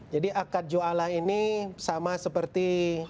jadi akad jualan ini sama seperti